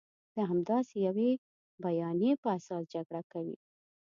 د همداسې یوې بیانیې په اساس جګړه کوي.